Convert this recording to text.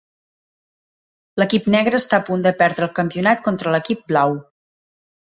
L'equip negre està a punt de perdre el campionat contra l'equip blau.